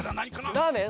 ラーメン？